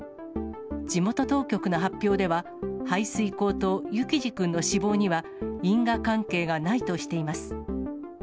地元当局の発表では、排水口と幸士君の死亡には、因果関係がないとしています。